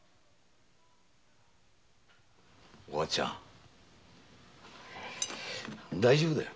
お初ちゃん大丈夫だよ。